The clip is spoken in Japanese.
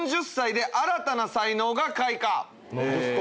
何ですか？